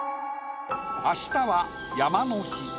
明日は山の日。